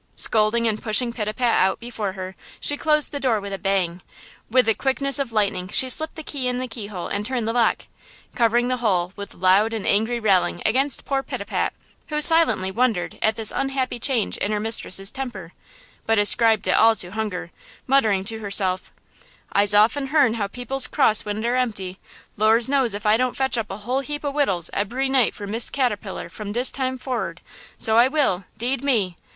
Scolding and pushing Pitapat out before her, she closed the door with a bang. With the quickness of lightening she slipped the key in the key hole and turned the lock, covering the whole with loud and angry railing against poor Pitapat, who silently wondered at this unhappy change in her mistress's temper, but ascribed it all to hunger, muttering to herself: "I'se offen hern tell how people's cross when dere empty! Lors knows ef I don't fetch up a whole heap o' wittels ebery night for Miss Caterpillar from dis time forred, so I will–'deed me!"